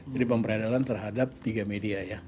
jadi pemberedalan terhadap tiga media ya